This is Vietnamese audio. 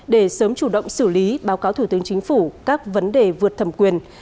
để sớm chủ động xử lý báo cáo thủ tướng chính phủ các vấn đề vượt thẩm quyền